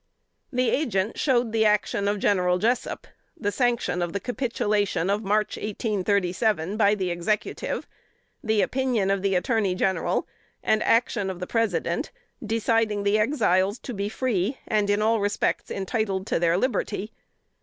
The Agent showed the action of General Jessup; the sanction of the capitulation of March, 1837, by the Executive; the opinion of the Attorney General, and action of the President, deciding the Exiles to be free, and in all respects entitled to their liberty.